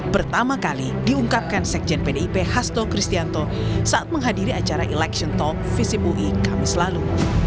pertama kali diungkapkan sekjen pdip hasto kristianto saat menghadiri acara election talk visip ui kamis lalu